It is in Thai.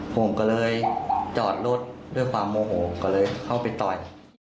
ผมก็เลยจอดรถด้วยความโมโหก็เลยเข้าไปต่อย